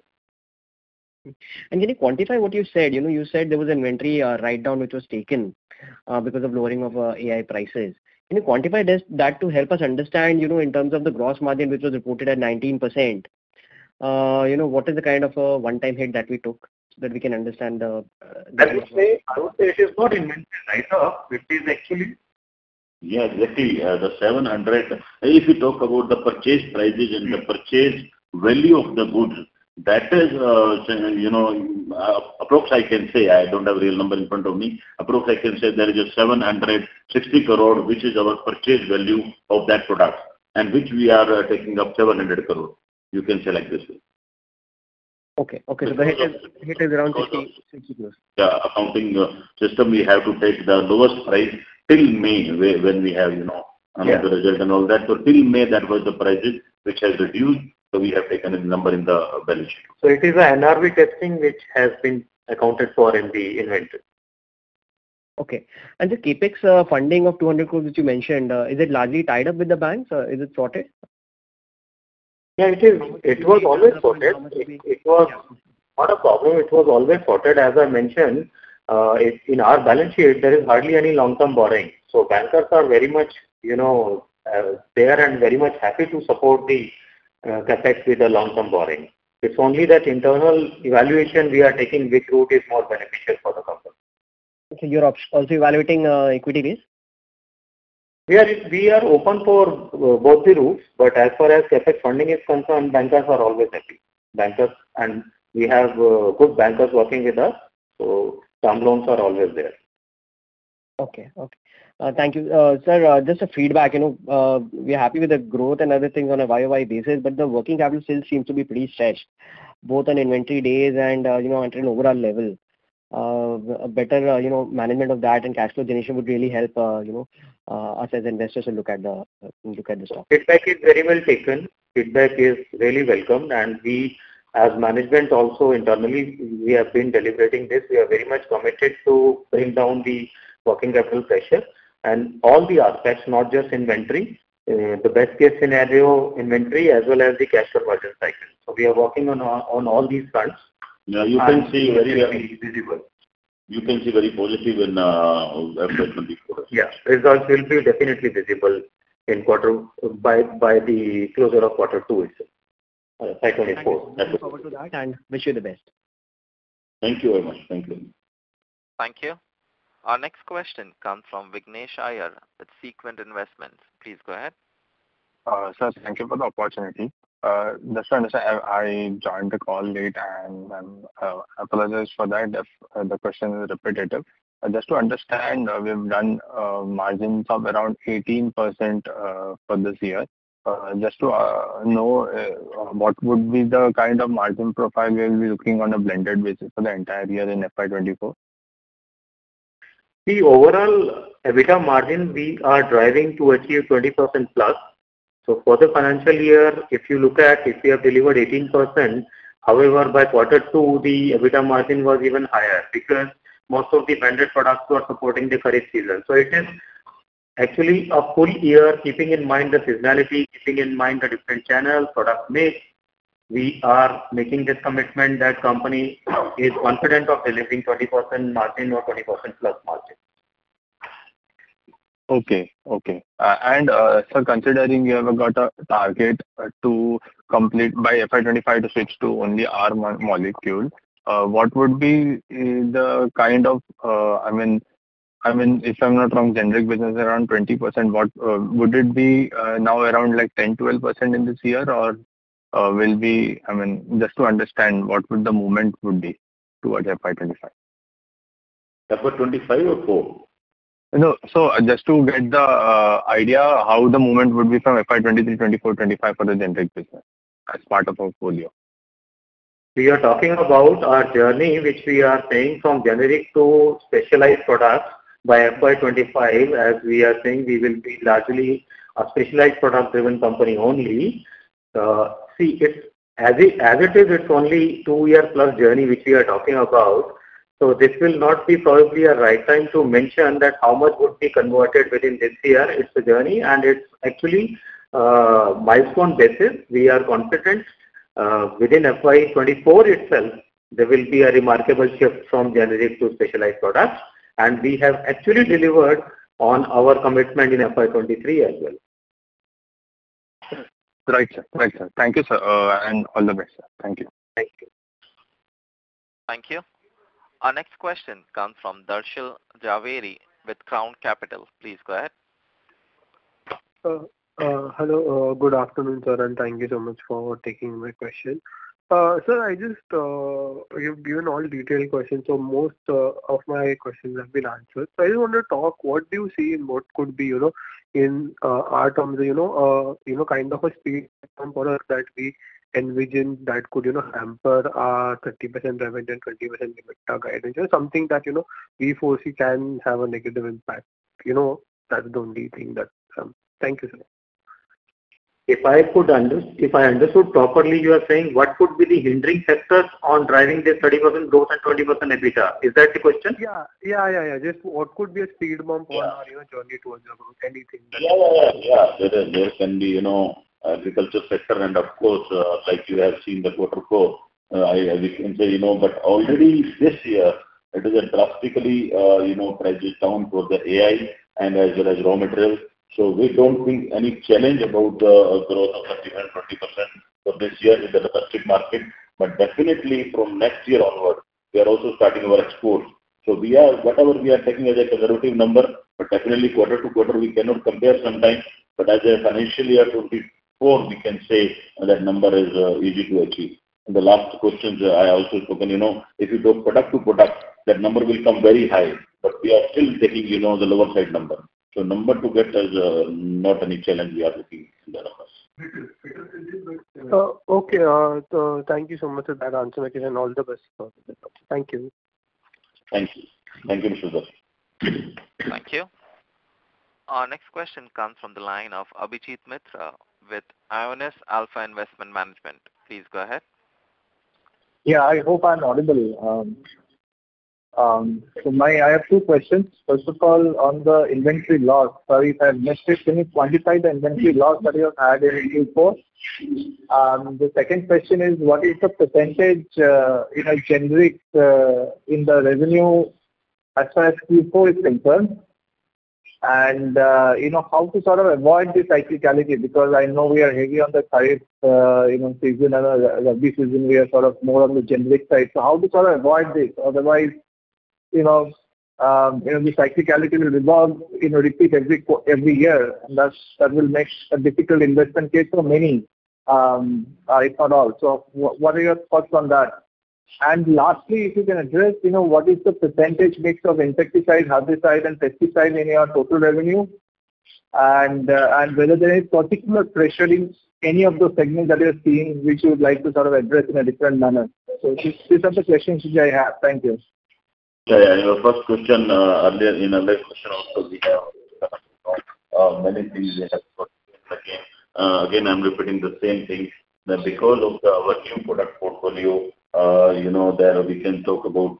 Can you quantify what you said? You know, you said there was inventory, write down, which was taken, because of lowering of AI prices. Can you quantify this, that to help us understand, you know, in terms of the gross margin, which was reported at 19%, you know, what is the kind of, one-time hit that we took so that we can understand the. That is why I would say it is not inventory write off, it is actually. Exactly. If you talk about the purchase prices and the purchase value of the goods, that is, you know, approx I can say, I don't have real number in front of me. Approx, I can say there is a 760 crore, which is our purchase value of that product, and which we are taking up 700 crore. You can say like this. Okay. Okay, the hit is around 60 crores. Accounting system, we have to take the lowest price till May, where, when we have, you know. Yeah... announced the result and all that. Till May, that was the prices which has reduced, so we have taken the number in the balance sheet. It is a NRV testing, which has been accounted for in the inventory. Okay. The CapEx funding of 200 crores, which you mentioned, is it largely tied up with the banks, or is it sorted? Yeah, it is. It was always sorted. It was not a problem. It was always sorted. As I mentioned, in our balance sheet, there is hardly any long-term borrowing. Bankers are very much, you know, there and very much happy to support the CapEx with the long-term borrowing. It's only that internal evaluation we are taking, which route is more beneficial for the company. You're also evaluating, equity base? We are open for both the routes, but as far as CapEx funding is concerned, bankers are always happy. Bankers, and we have good bankers working with us, so term loans are always there. Okay. Okay. Thank you. Sir, just a feedback, you know, we're happy with the growth and other things on a YOY basis, but the working capital still seems to be pretty stretched, both on inventory days and, you know, at an overall level. A better, you know, management of that and cash flow generation would really help, you know, us as investors to look at the stock. Feedback is very well taken. Feedback is really welcomed, and we, as management also internally, we have been deliberating this. We are very much committed to bring down the working capital pressure and all the aspects, not just inventory, the best case scenario, inventory, as well as the cash flow version cycle. We are working on all these fronts. Yeah, you can see very well. Visible. You can see very positive in FY 24. Yes. Results will be definitely visible. By the closure of quarter two itself. Thank you. We look forward to that, and wish you the best. Thank you very much. Thank you. Thank you. Our next question comes from Vignesh Iyengar with Sequent Investments. Please go ahead. Sir, thank you for the opportunity. Just to understand, I joined the call late, and then apologies for that if the question is repetitive. Just to understand, we've done margins of around 18% for this year. Just to know, what would be the kind of margin profile we will be looking on a blended basis for the entire year in FY 2024? The overall EBITDA margin, we are driving to achieve 20%+. For the financial year, if you look at, if we have delivered 18%, however, by Q2, the EBITDA margin was even higher because most of the branded products were supporting the current season. It is actually a full year, keeping in mind the seasonality, keeping in mind the different channels, product mix, we are making this commitment that company is confident of delivering 20% margin or 20%+ margin. Okay, okay. Sir, considering you have got a target to complete by FY 2025 to switch to only R molecules, what would be the kind of, I mean, if I'm not wrong, generic business around 20%, what would it be now around like 10%, 12% in this year, or I mean, just to understand, what would the movement would be towards FY 2025? FY 2025 or 2004? No. Just to get the idea how the movement would be from FY 2023, 2024, 2025 for the generic business as part of portfolio. We are talking about our journey, which we are saying from generic to specialized products by FY25, as we are saying, we will be largely a specialized product-driven company only. See, it's, as it is, it's only two-year plus journey which we are talking about, so this will not be probably a right time to mention that how much would be converted within this year. It's a journey, and it's actually milestone basis. We are confident, within FY24 itself, there will be a remarkable shift from generic to specialized products, and we have actually delivered on our commitment in FY23 as well. Right, sir. Right, sir. Thank you, sir, and all the best, sir. Thank you. Thank you. Thank you. Our next question comes from Darshil Jhaveri with Crown Capital. Please go ahead. Hello, good afternoon, sir. Thank you so much for taking my question. Sir, I just, you've given all detailed questions. Most of my questions have been answered. I just want to talk, what do you see and what could be, you know, in our terms, you know, kind of a speed component that we envision that could, you know, hamper our 30% revenue and 20% EBITDA guidance or something that, you know, we foresee can have a negative impact? You know, that's the only thing that comes. Thank you, sir. If I understood properly, you are saying, what could be the hindering sectors on driving this 30% growth and 20% EBITDA? Is that the question? Yeah. Yeah. Just what could be a speed bump on our, you know, journey towards about anything? Yeah, yeah. There is, there can be, you know, agriculture sector and, of course, like you have seen the quarter four, as you can say, you know, but already this year it is a drastically, you know, prices down for the AI and as well as raw materials. We don't think any challenge about the growth of 35%, 20% for this year is in the domestic market, but definitely from next year onward, we are also starting our exports. We are, whatever we are taking as a conservative number, but definitely quarter to quarter, we cannot compare sometimes, but as a financial year 2024, we can say that number is easy to achieve. The last question, I also spoken, you know, if you go product to product, that number will come very high, but we are still taking, you know, the lower side number. Number to get is, not any challenge we are looking in the numbers. Okay. Thank you so much for that answer again, all the best. Thank you. Thank you. Thank you, Mr. Darshil. Thank you. Our next question comes from the line of Abhijiit Mitra with Aeonian Alpha Investment Management. Please go ahead. Yeah, I hope I'm audible. I have two questions. First of all, on the inventory loss, sorry if I missed it, can you quantify the inventory loss that you had in Q4? The second question is: what is the percentage in a generic in the revenue as far as Q4 is concerned? And, you know, how to sort of avoid this cyclicality, because I know we are heavy on the current season and rabi season, we are sort of more on the generic side. So how to sort of avoid this? Otherwise, you know, the cyclicality will repeat every year, and that's, that will make a difficult investment case for many, if not all. So what are your thoughts on that? lastly, if you can address, you know, what is the percentage mix of insecticide, herbicide, and pesticide in your total revenue, and whether there is particular pressure in any of those segments that you're seeing, which you would like to sort of address in a different manner. These are the questions which I have. Thank you. Your first question, earlier, in earlier question also, we have many things we have again. Again, I'm repeating the same thing, that because of our new product portfolio, you know, there we can talk about,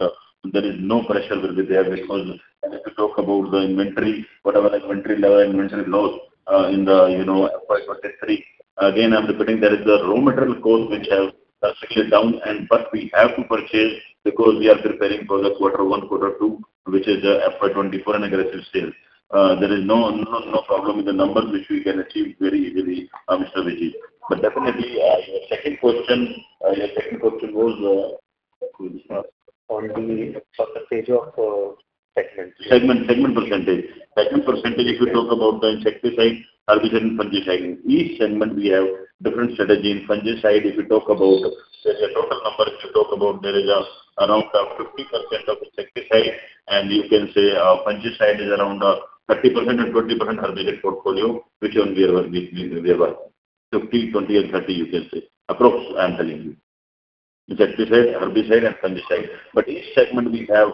there is no pressure will be there because if you talk about the inventory, whatever inventory level, inventory loss, in the, you know, FY 23. Again, I'm repeating, there is a raw material cost which have stretched down, but we have to purchase because we are preparing for Q1, Q2, which is the FY 24 and aggressive sales. There is no problem with the numbers, which we can achieve very easily, Mr. Abijiit. Definitely, your second question, your second question was. On the percentage of segment. Segment, segment percentage. Segment percentage, if you talk about the insecticide, herbicide, and fungicide. Each segment we have different strategy. In fungicide, if you talk about the total number, if you talk about there is around 50% of the insecticide, and you can say fungicide is around 30% and 20% herbicide portfolio, which one we are by. 50, 20, and 30, you can say. Approximately, I'm telling you. Insecticide, herbicide, and fungicide. Each segment we have,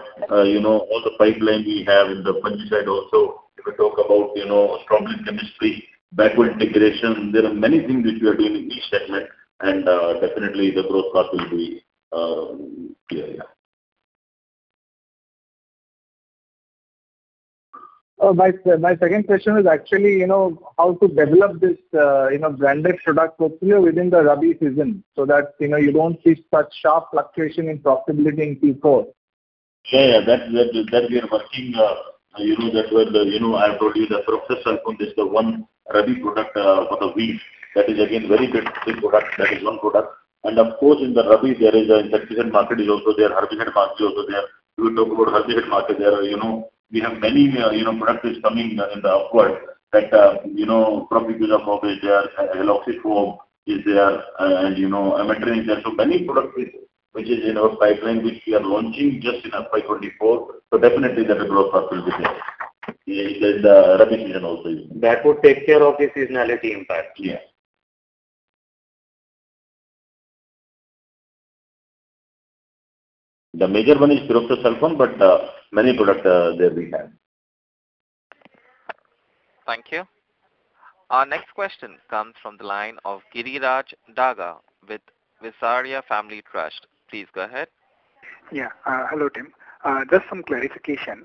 you know, all the pipeline we have in the fungicide also, if you talk about, you know, strong chemistry, backward integration, there are many things which we are doing in each segment, and definitely the growth path will be, yeah. My second question is actually, you know, how to develop this, you know, branded product portfolio within the rabi season, so that, you know, you don't see such sharp fluctuation in profitability in Q4? Yeah, that we are working, you know, that well, you know, I have told you that process is the one ready product for the week. That is, again, very good product. That is one product. Of course, in the Rabi, there is an insecticide market is also there, herbicide market is also there. You talk about herbicide market there, you know, we have many, you know, products is coming in the upward that, you know, from is there, is there, and, you know, is there. So many products which is in our pipeline, which we are launching just in FY24. Definitely, that the growth path will be there. In the Rabi season also. That would take care of the seasonality impact? Yes. The major one is Pyroxasulfone, but, many product, there we have. Thank you. Our next question comes from the line of Giriraj Daga with Bysaria Family Trust. Please go ahead. Yeah. Hello, Tim. Just some clarification.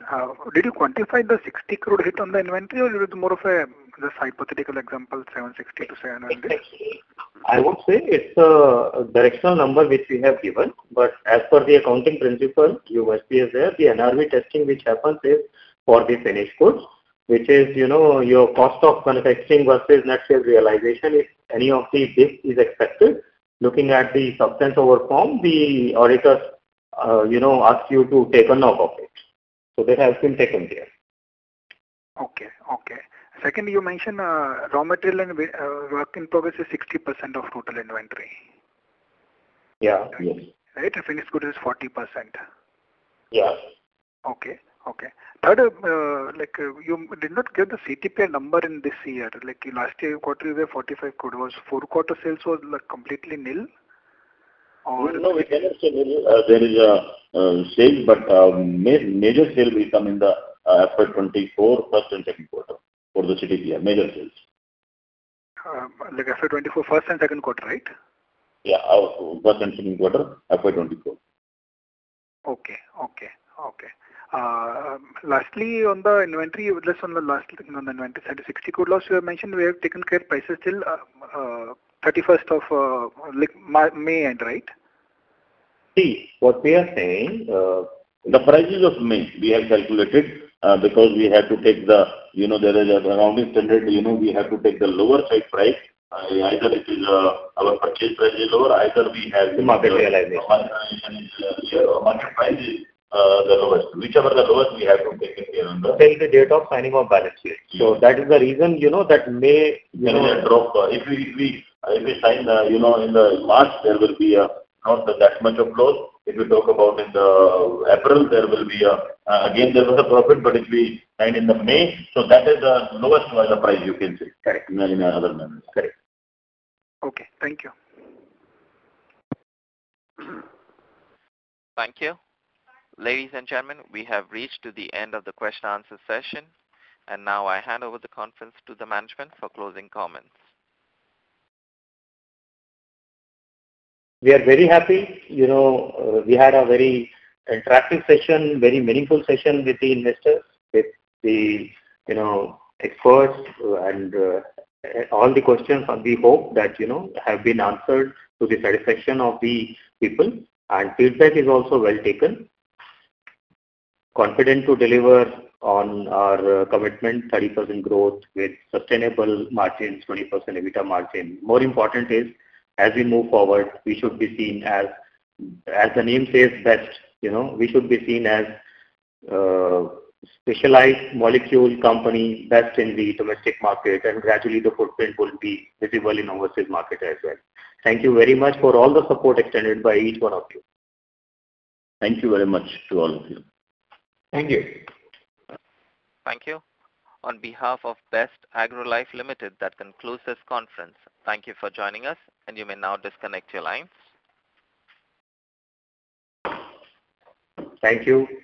Did you quantify the 60 crore hit on the inventory, or is it more of a just hypothetical example, 760-700? I would say it's a directional number which we have given. As per the accounting principle, you must be there. The NRV testing, which happens, is for the finished goods, which is, you know, your cost of manufacturing versus net sales realization. If any of the dip is expected, looking at the substance over form, the auditors, you know, ask you to take a knob of it. That has been taken care. Okay. Okay. Secondly, you mentioned, raw material and, work in progress is 60% of total inventory. Yeah, really. Right, finished good is 40%? Yes. Okay. Okay. Third, like, you did not give the CTPR number in this year. Like, last year quarter, you were 45 crore. Was Q4 sales were, like, completely nil or? No, we cannot say there is sales, but major sale will come in the FY 24, 1st and 2nd quarter for the CTPR, major sales. like FY24, Q1 and 2Q, right? Yeah, first and Q2, FY 2024. Okay. Okay. Okay. Lastly, on the inventory, 60 crore loss, you have mentioned we have taken care prices till 31st of May, end, right? See, what we are saying, the prices of May, we have calculated. You know, there is an accounting standard, you know, we have to take the lower side price. Either it is, our purchase price is lower. The market realization. Market price is the lowest. Whichever the lowest, we have to take it in. Till the date of signing of balance sheet. Yes. That is the reason, you know, that May. If we sign, you know, in the March, there will be not that much of loss. If you talk about in the April, there will be again, there was a profit. If we sign in the May, that is the lowest price you can see. Correct. In other months. Correct. Okay. Thank you. Thank you. Ladies and gentlemen, we have reached to the end of the question and answer session, and now I hand over the conference to the management for closing comments. We are very happy. You know, we had a very interactive session, very meaningful session with the investors, with the, you know, experts, and all the questions, and we hope that, you know, have been answered to the satisfaction of the people, and feedback is also well taken. Confident to deliver on our commitment, 30% growth with sustainable margins, 20% EBITDA margin. More important is, as we move forward, we should be seen as the name says, Best. You know, we should be seen as, specialized molecule company, best in the domestic market, and gradually the footprint will be visible in overseas market as well. Thank you very much for all the support extended by each one of you. Thank you very much to all of you. Thank you. Thank you. On behalf of Best Agrolife Limited, that concludes this conference. Thank you for joining us, and you may now disconnect your lines. Thank you.